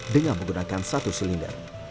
dengan menggunakan satu silinder